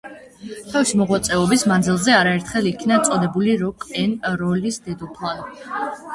თავისი მოღვაწეობის მანძილზე არაერთხელ იქნა წოდებული „როკ-ენ-როლის დედოფლად“.